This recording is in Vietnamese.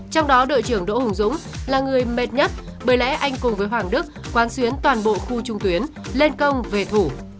trong đó đội trưởng đỗ hùng dũng là người mệt nhất bởi lẽ anh cùng với hoàng đức quán xuyến toàn bộ khu trung tuyến lên công về thủ